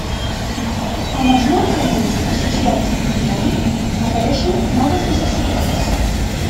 Amb els nous usos associats al mòbil, apareixen noves necessitats.